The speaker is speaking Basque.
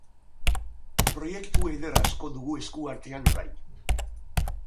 Proiektu eder askoa dugu esku artean orain.